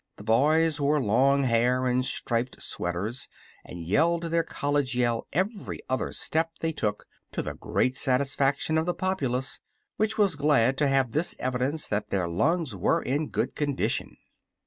The boys wore long hair and striped sweaters and yelled their college yell every other step they took, to the great satisfaction of the populace, which was glad to have this evidence that their lungs were in good condition.